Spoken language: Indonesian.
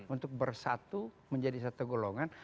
untuk bersatu menjadi satu golongan